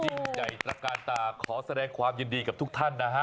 ยิ่งใหญ่ตระกาลตาขอแสดงความยินดีกับทุกท่านนะฮะ